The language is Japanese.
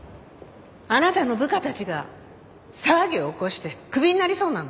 あなたの部下たちが騒ぎを起こしてクビになりそうなの。